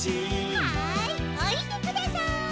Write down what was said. はいおりてください。